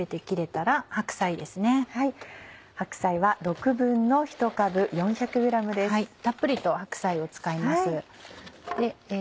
たっぷりと白菜を使います。